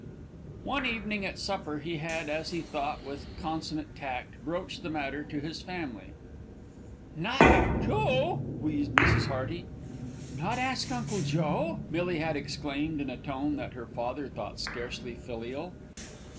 One evening at supper he had, as he thought with consummate tact, broached the matter to his family. "Not have Joe?" wheezed Mrs. Hearty. "Not ask Uncle Joe?" Millie had exclaimed in a tone that her father thought scarcely filial.